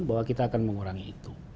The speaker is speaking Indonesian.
bahwa kita akan mengurangi itu